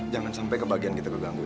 jangan sampai kebagian kita keganggu ya